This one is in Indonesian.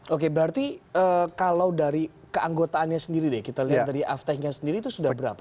oke berarti kalau dari keanggotaannya sendiri deh kita lihat dari aftechnya sendiri itu sudah berapa